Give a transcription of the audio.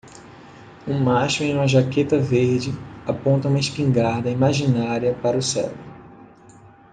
Um macho em uma jaqueta verde aponta uma espingarda imaginária para o céu.